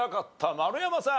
丸山さん。